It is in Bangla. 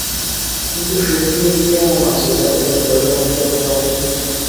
কিন্তু ফেসবুকে কী এমন আছে যা এভাবে ধরে রাখতে পারে কাউকে?